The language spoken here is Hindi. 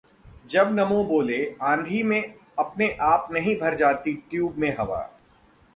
जब NaMo बोले- आंधी में अपने आप नहीं भर जाती ट्यूब में हवा